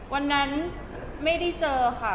วันนั้นไม่ได้เจอค่ะ